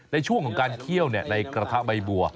ในช่วงของการเคี่ยวในกระทะใบบัว